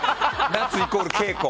夏イコール稽古。